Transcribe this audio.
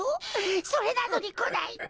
それなのにこないって。